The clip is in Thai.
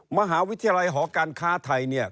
มหาวิทยาลัยหอการค้าไทยเนี่ย